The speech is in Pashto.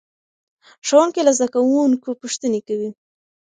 ښوونکی له زده کوونکو پوښتنې کوي.